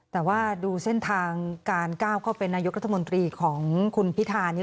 แต่ว่าดูเส้นทางการก้าวเข้าเป็นนายกรัฐมนตรีของคุณพิธา